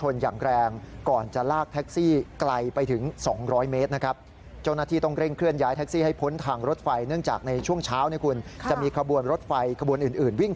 และก็พยานที่เกิดเหตุอีกครั้ง